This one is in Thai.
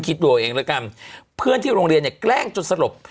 คิดดูเอาเองแล้วกันเพื่อนที่โรงเรียนเนี่ยแกล้งจนสลบ